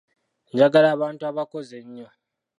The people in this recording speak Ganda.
Njagala abantu abakozi ennyo.